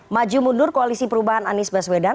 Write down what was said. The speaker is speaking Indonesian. maju mundur koalisi perubahan anies baswedan